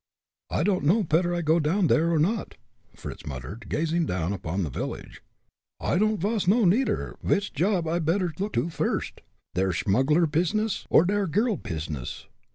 "I don'd know petter I go down there, or not," Fritz muttered, gazing down upon the village. "I don'd vas know, neider, vich job I better look to, first der smuggler pizness, or der girl pizness.